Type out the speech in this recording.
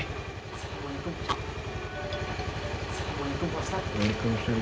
assalamualaikum pak ustadz